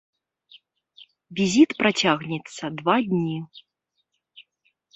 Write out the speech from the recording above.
Візіт працягнецца два дні.